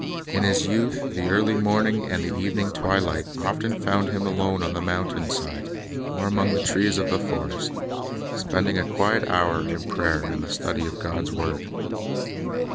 In His youth the early morning and the evening twi light often found Him alone on the mountainside or among the trees of the forest, spending a quiet hour in prayer and the study of God's word.